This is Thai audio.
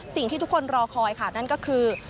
สิ่งที่ทุกคนรอคอยค่ะนั่นก็คือ